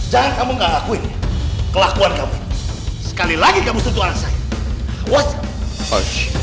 jangan kamu ngakuin kelakuan sekali lagi kamu sentuhan saya